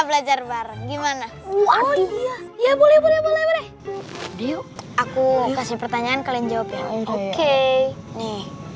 belajar bareng gimana iya ya boleh boleh yuk aku kasih pertanyaan kalian jawab ya oke nih